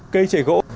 cây chảy gỗ